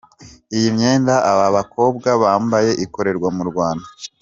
Iyi myenda aba bakobwa bambaye ikorerwa mu Rwanda.